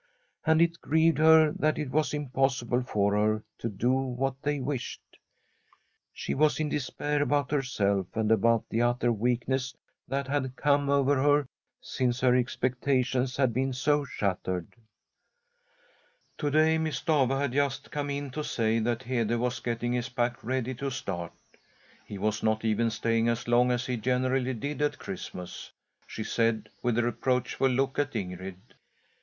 And it grieved her that it was impossible for her to do what they wished. She was in despair about herself and about the utter weakness that had come over her since her expectations had been so shattered. To day Miss Stafva had just come in to say that Hede was getting his pack ready to start. He was not even staying as long as he generally did at Christmas, she said with a reproachful look at Ingrid.